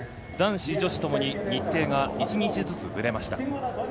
男子、女子ともに日程が１日ずつずれました。